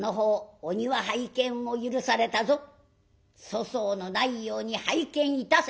粗相のないように拝見いたせ」。